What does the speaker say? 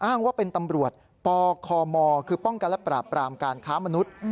อ้างว่าเป็นตำรวจปคมคือป้องกันและปราบปรามการค้ามนุษย์